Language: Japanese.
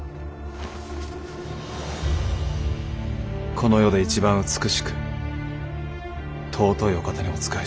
この世で一番美しく尊いお方にお仕えしている。